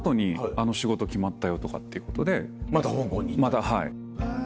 またはい。